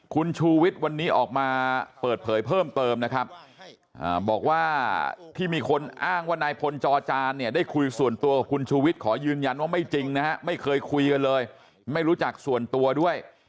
คุณชูวิทย์วันนี้ออกมาเปิดเผยเพิ่มเติมนะครับบอกว่าที่มีคนอ้างว่านายพลจอจานเนี่ยได้คุยส่วนตัวกับคุณชูวิทย์ขอยืนยันว่าไม่จริงนะฮะไม่เคยคุยกันเลยไม่รู้จักส่วนตัวด้วย